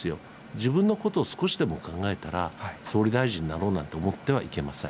自分のことを少しでも考えたら、総理大臣になろうなんて思ってはいけません。